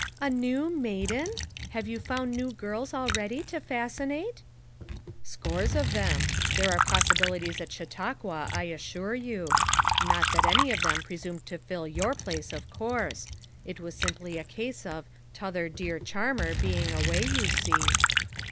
"A ' neio maiden?' Have you found new girls already to fascinate!" ' 'Scores of them; there are possibilities at Chautauqua, I assure you. Not that any of them presumed to fill your place, of course ; it was simply a case of ' t'other dear charmer' be ing away, you see."